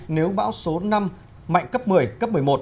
nếu bão số năm mạnh cấp một mươi cấp một mươi một